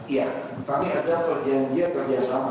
ya kami ada perjanjian kerjasama